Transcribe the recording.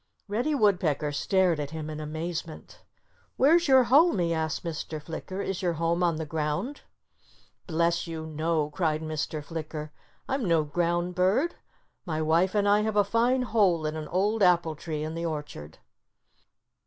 Reddy Woodpecker stared at him in amazement. "Where's your home?" he asked Mr. Flicker. "Is your home on the ground?" "Bless you, no!" cried Mr. Flicker. "I'm no ground bird. My wife and I have a fine hole in an old apple tree in the orchard."